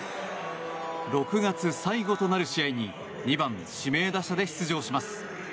６月最後となる試合に２番指名打者で出場します。